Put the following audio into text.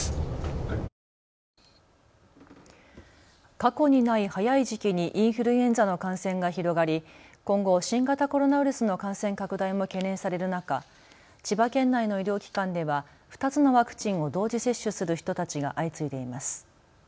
過去にない早い時期にインフルエンザの感染が広がり今後、新型コロナウイルスの感染拡大も懸念される中、千葉県内の医療機関では２つのワクチンを同時接種する人たちが相次いでいます。